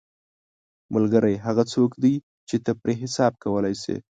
ملګری هغه څوک دی چې ته پرې حساب کولی شې